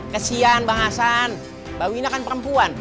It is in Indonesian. kesian bang hasan mbak wina kan perempuan